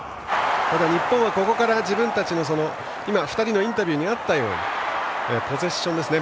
日本はここから自分たちの今、２人のインタビューにあったようにポゼッションですね。